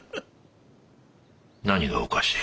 何がおかしい？